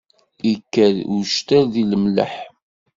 Ikker uctal di lemleḥ.